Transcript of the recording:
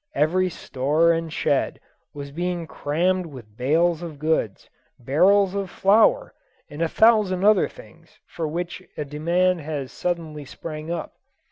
Every store and shed was being crammed with bales of goods, barrels of flour, and a thousand other things for which a demand has suddenly sprung up.